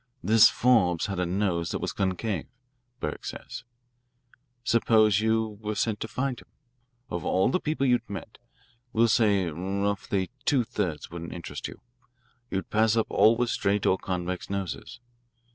This Forbes had a nose that was concave, Burke says. Suppose you were sent out to find him. Of all the people you met, we'll say, roughly, two thirds wouldn't interest you. You'd pass up all with straight or convex noses.